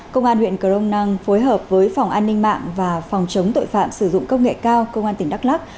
công an huyện cờ rông năng phối hợp với phòng an ninh mạng và phòng chống tội phạm sử dụng công nghệ cao công an tỉnh đắk lắc